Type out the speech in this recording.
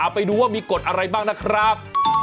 ไปดูว่ามีกฎอะไรบ้างนะครับ